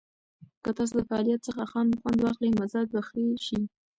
که تاسو د فعالیت څخه خوند واخلئ، مزاج به ښه شي.